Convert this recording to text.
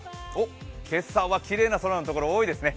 今朝はきれいな空のところが多いですね。